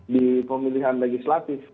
di pemilihan legislatif